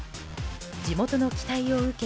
地元の期待を受け